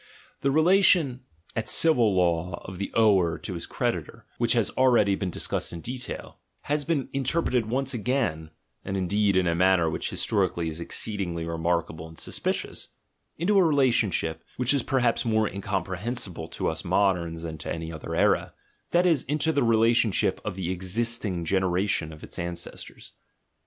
The relation at civil law of the ower to his creditor (which has ready been discussed in detail), has been interpreted once again (and indeed in a manner which historically is ex ceedingly remarkable and suspicious) into a relationship, which is perhaps more incomprehensible to us moderns than to any other era; that is, into the relationship of the existing generation to its ancestors.